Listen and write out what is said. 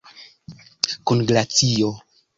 Kun glacio?